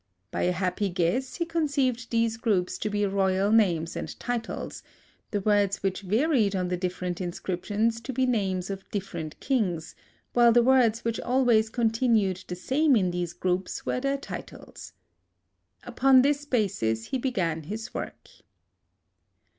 By a happy guess, he conceived these groups to be royal names and titles, the words which varied on the different inscriptions to be names of different kings, while the words which always continued the same in these groups were their titles. Upon this basis he began his work.